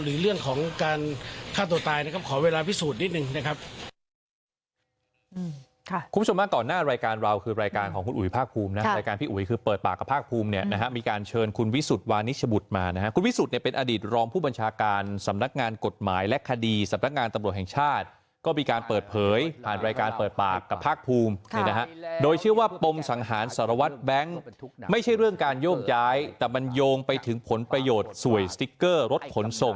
เรื่องของการฆ่าตัวตายนะครับขอเวลาพิสูจน์นิดนึงนะครับ